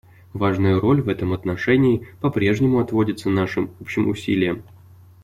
Важная роль в этом отношении по-прежнему отводится нашим общим усилиям.